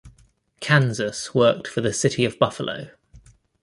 Kansas worked for the city of Buffalo.